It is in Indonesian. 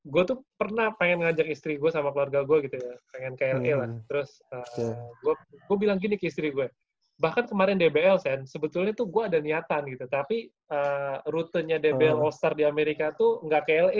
gue tuh pernah pengen ngajak istri gue sama keluarga gue gitu ya pengen kla lah terus gue bilang gini ke istri gue bahkan kemarin dbl sen sebetulnya tuh gue ada niatan gitu tapi rutenya dbl roll star di amerika tuh gak kle